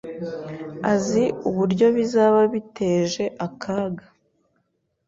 azi uburyo bizaba biteje akaga.